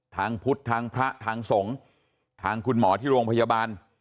ทางพุทธทางพระทางสงฆ์ทางคุณหมอที่โรงพยาบาล